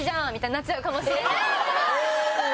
「なっちゃうかもしれない！」。